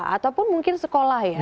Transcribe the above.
ataupun mungkin sekolah ya